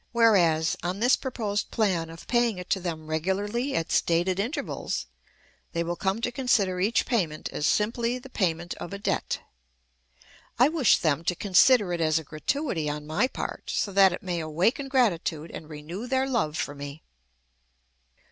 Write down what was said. Whereas, on this proposed plan of paying it to them regularly at stated intervals, they will come to consider each payment as simply the payment of a debt. I wish them to consider it as a gratuity on my part, so that it may awaken gratitude and renew their love for me."